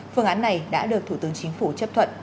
phương án này đã được thủ tướng chính phủ chấp thuận